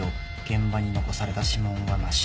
現場に残された指紋はなし。